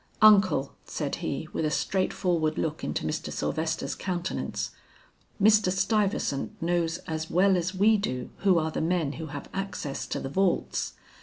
Uncle," said he, with a straightforward look into Mr. Sylvester's countenance, "Mr. Stuyvesant knows as well as we do who are the men who have access to the vaults.